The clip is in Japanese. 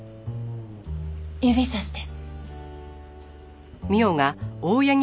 指さして。